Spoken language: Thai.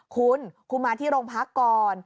คุณคุณมาที่โรงพักก่อน